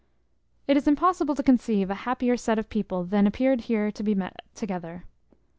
It is impossible to conceive a happier set of people than appeared here to be met together.